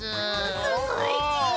すごいち！